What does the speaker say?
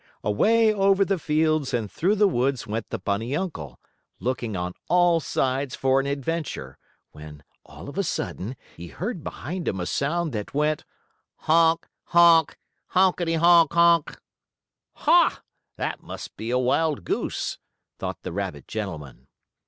Away over the fields and through the woods went the bunny uncle, looking on all sides for an adventure, when, all of a sudden he heard behind him a sound that went: "Honk! Honk! Honkity honk honk!" "Ha! That must be a wild goose!" thought the rabbit gentleman.